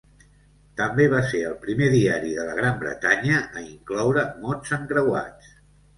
També va ser el primer diari de la Gran Bretanya a incloure mots encreuats.